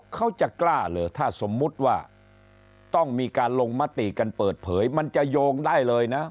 เขาจะกล้าเหรอถ้าสมมุติว่าต้องมีการลงมติกันเปิดเผยมันจะโยงได้เลยนะ